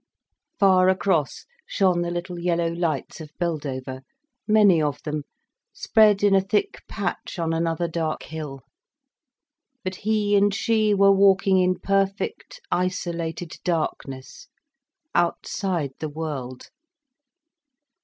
Far across shone the little yellow lights of Beldover, many of them, spread in a thick patch on another dark hill. But he and she were walking in perfect, isolated darkness, outside the world.